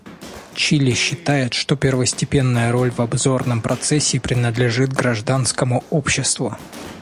Чили считает, что первостепенная роль в обзорном процессе принадлежит гражданскому обществу.